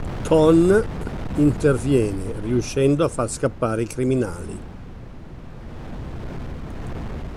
Thon interviene riuscendo a far scappare i criminali.